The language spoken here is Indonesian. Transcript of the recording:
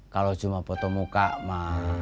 kalau cuma poto muka